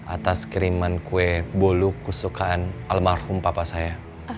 atas kiriman kue bolu kesukaan almarhum papa saya